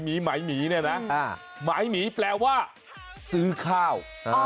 ไม่มีไม่มีแปลว่าซื้อข้าว